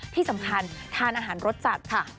ที่สำคัญทานอาหารรสจัดค่ะ